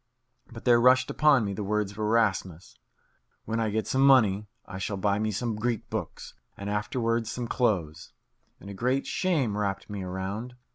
But there rushed upon me the words of Erasmus, "When I get some money I shall buy me some Greek books, and afterwards some clothes," and a great shame wrapped me around.